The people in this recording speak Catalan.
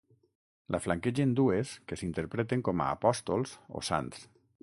La flanquegen dues que s'interpreten com a apòstols o sants.